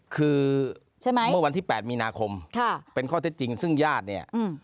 คือใช่ไหมเมื่อวันที่๘มีนาคมค่ะเป็นข้อเท็จจริงซึ่งญาติเนี่ย